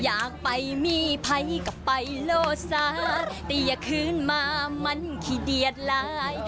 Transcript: อยากไปมีภัยก็ไปโลซาแต่อย่าคืนมามันขี้เดียดหลาย